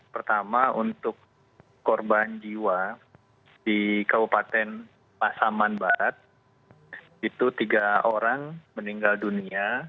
pertama untuk korban jiwa di kabupaten pasaman barat itu tiga orang meninggal dunia